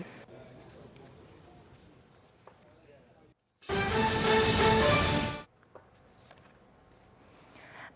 bài tập ba